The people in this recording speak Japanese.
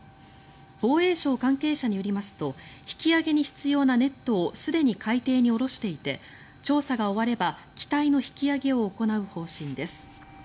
防衛省関係者によりますと引き揚げに必要なネットをすでに海底に下ろしていて調査が終われば機体の引き揚げを行う方針です。